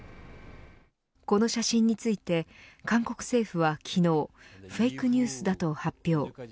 この写真ついて韓国政府は昨日フェイクニュースだと発表。